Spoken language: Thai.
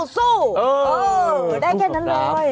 สู้เออได้แค่นั้นเลย